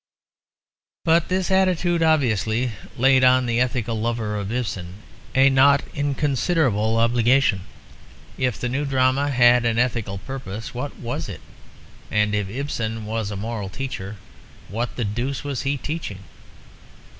But this attitude obviously laid on the ethical lover of Ibsen a not inconsiderable obligation. If the new drama had an ethical purpose, what was it? and if Ibsen was a moral teacher, what the deuce was he teaching?